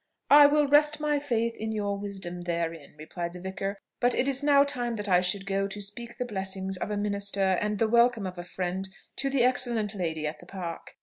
"I will rest my faith on your wisdom therein," replied the vicar: "but it is now time that I should go to speak the blessing of a minister, and the welcome of a friend, to the excellent lady at the Park.